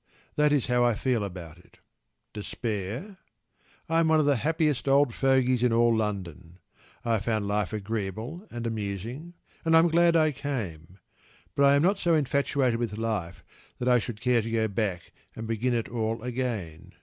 That is how I feel about it. Despair? I am one of the happiest old fogeys in all London. I have found life agreeable and amusing, and I'm glad I came. But I am not so infatuated with life that I should care to go back and begin it all again.